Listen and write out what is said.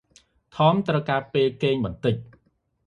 ថម ត្រូវការពេលគេងបន្តិច ។